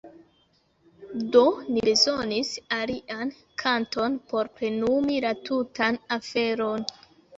Do ni bezonis alian kanton por plenumi la tutan aferon.